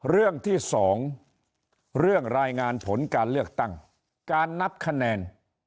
เรื่องที่สองเรื่องรายงานผลการเลือกตั้งการนับคะแนน